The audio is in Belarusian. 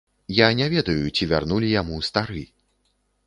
Я не ведаю, ці вярнулі яму стары.